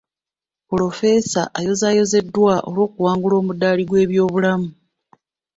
Pulofeesa ayozaayozeddwa olw'okuwangula omudaali gw'ebyobulamu.